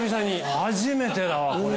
初めてだわこれ。